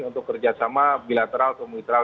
untuk kerjasama bilateral ke multilateral